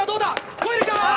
越えるか？